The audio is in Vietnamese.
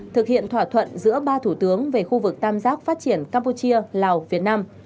thực hiện thỏa thuận giữa ba thủ tướng về khu vực tam giác phát triển campuchia lào việt nam